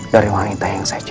dari wanita yang saya cintai